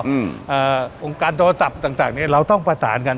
เอ่อองค์การโทรศัพท์ต่างต่างเนี้ยเราต้องประสานกัน